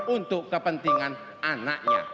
untuk kepentingan anaknya